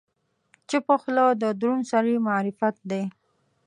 چپه خوله، د دروند سړي معرفت دی.